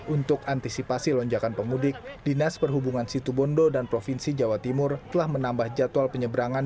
untuk antisipasi lonjakan pemudik dinas perhubungan situbondo dan provinsi jawa timur telah menambah jadwal penyeberangan